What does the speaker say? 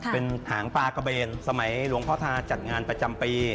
เป็นหางปลากระเบนสมัยหลวงพ่อธาจัดงานประจำปี